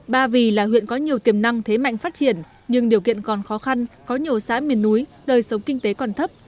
ba vì là huyện có nhiều tiềm năng thế mạnh phát triển nhưng điều kiện còn khó khăn có nhiều xã miền núi đời sống kinh tế còn thấp